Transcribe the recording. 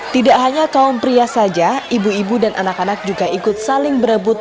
tidak hanya kaum pria saja ibu ibu dan anak anak juga ikut saling berebut